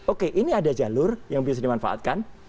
oke ini ada jalur yang bisa dimanfaatkan